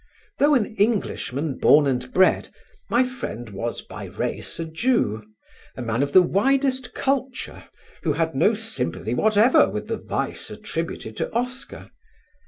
Though an Englishman born and bred my friend was by race a Jew a man of the widest culture, who had no sympathy whatever with the vice attributed to Oscar.